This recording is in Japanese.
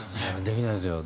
できないですよ。